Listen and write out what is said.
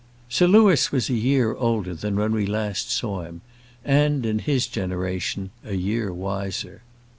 Sir Louis was a year older than when we last saw him, and, in his generation, a year wiser.